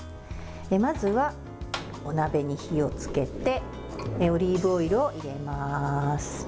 まずは、お鍋に火をつけてオリーブオイルを入れます。